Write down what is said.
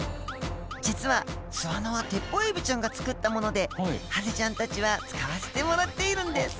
実は巣穴はテッポウエビちゃんが作ったものでハゼちゃんたちは使わせてもらっているんです